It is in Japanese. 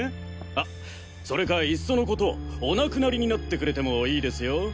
あそれかいっそのことお亡くなりになってくれてもいいですよ